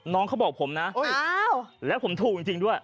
เขาบอกผมนะแล้วผมถูกจริงด้วย